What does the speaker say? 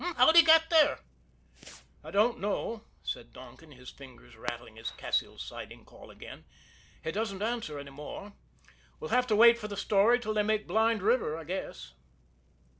How'd he get there?" "I don't know," said Donkin, his fingers rattling the Cassil's Siding call again. "He doesn't answer any more. We'll have to wait for the story till they make Blind River, I guess."